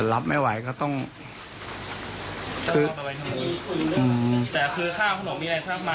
ถ้ามายราวแบบก็ปกติ